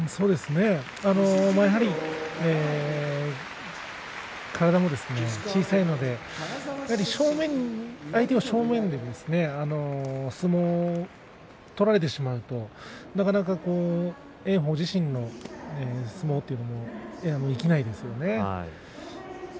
やはり体も小さいので相手を正面で捉えてしまうとなかなか炎鵬自身の相撲というのもできないですね。